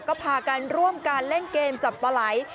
ก็พากันร่วมการเล่นเกมจับปลาไหล